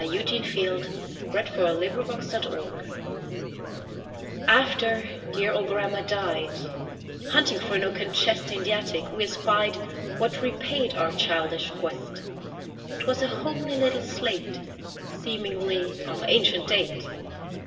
Eugene Field Little Homer's Slate AFTER dear old grandma died, Hunting through an oaken chest In the attic, we espied What repaid our childish quest; 'Twas a homely little slate, Seemingly of ancient date.